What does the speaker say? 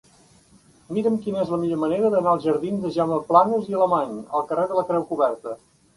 Mira'm quina és la millor manera d'anar dels jardins de Jaume Planas i Alemany al carrer de la Creu Coberta.